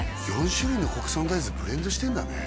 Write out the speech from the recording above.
４種類の国産大豆ブレンドしてんだね